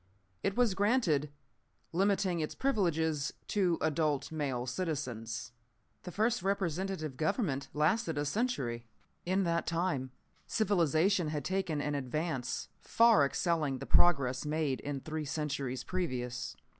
It was granted, limiting its privileges to adult male citizens. "The first representative government lasted a century. In that time civilization had taken an advance far excelling the progress made in three centuries previous.